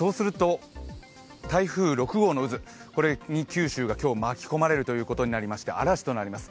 台風６号の渦、これに九州が今日巻き込まれることになりまして、嵐となります。